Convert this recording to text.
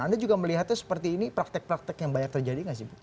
anda juga melihatnya seperti ini praktek praktek yang banyak terjadi nggak sih bu